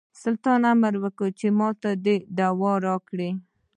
سلطان امر وکړ چې ماته دوا راکړي.